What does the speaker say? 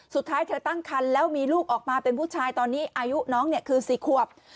สุดท้ายเธอตั้งคันแล้วมีลูกออกมาเป็นผู้ชายตอนนี้อายุน้องเนี่ยคือ๔ขวบ